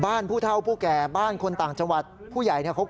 บ้านผู้เท่าผู้แก่บ้านคนต่างจังหวัดผู้ใหญ่เขาเก็บอะไรคุณ